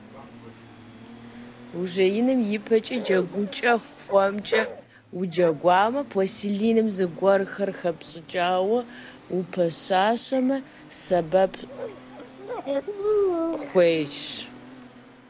Ужеиным ипэкӀэ джэгукӀэ хуэмкӀэ уджэгуамэ, пластелиным зыгуэрхэр къыхэпщӀыкӀыу упэщэщамэ, сэбэпышхуэщ.